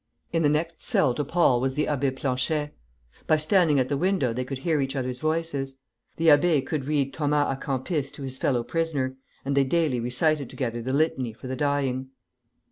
In the next cell to Paul was the Abbé Planchet. By standing at the window they could hear each other's voices. The abbé could read Thomas à Kempis to his fellow prisoner, and they daily recited together the litany for the dying.